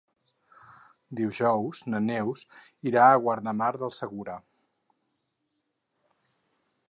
Dijous na Neus irà a Guardamar del Segura.